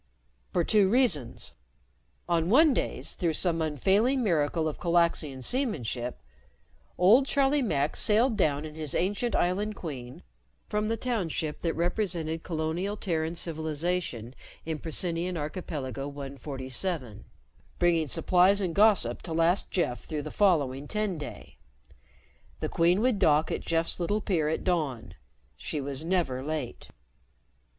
For two reasons: On Onedays, through some unfailing miracle of Calaxian seamanship, old Charlie Mack sailed down in his ancient Island Queen from the township that represented colonial Terran civilization in Procynian Archipelago 147, bringing supplies and gossip to last Jeff through the following Tenday. The Queen would dock at Jeff's little pier at dawn; she was never late.